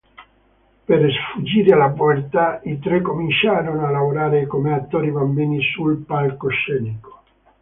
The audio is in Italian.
Per sfuggire alla povertà, i tre cominciarono a lavorare come attori bambini sul palcoscenico.